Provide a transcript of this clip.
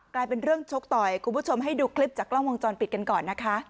กลายเป็นเรื่องชกต่อยคุณผู้ชมให้ดูคลิปจากกล้องวงจรปิดกันก่อนนะคะ